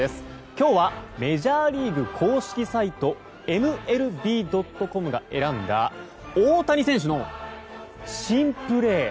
今日はメジャーリーグ公式サイトＭＬＢ．ｃｏｍが選んだ大谷選手の珍プレー。